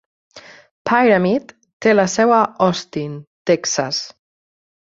"Pyramid" té la seu a Austin, Texas.